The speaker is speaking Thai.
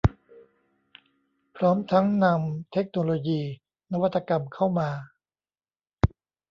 พร้อมทั้งนำเทคโนโลยีนวัตกรรมเข้ามา